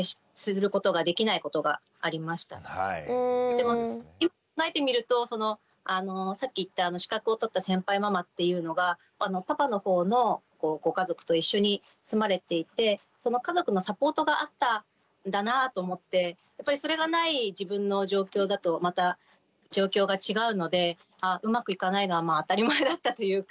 でもよく考えてみるとそのさっき言った資格を取った先輩ママっていうのがパパのほうのご家族と一緒に住まれていてその家族のサポートがあったんだなと思ってやっぱりそれがない自分の状況だとまた状況が違うのでうまくいかないのはまあ当たり前だったというか。